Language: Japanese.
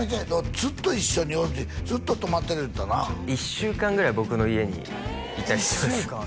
ずっと一緒におるってずっと泊まってる言ってたな１週間ぐらい僕の家にいたりします